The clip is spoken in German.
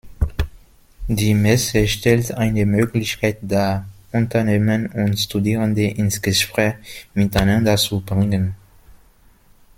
Die Messe stellt eine Möglichkeit dar, Unternehmen und Studierende ins Gespräch miteinander zu bringen.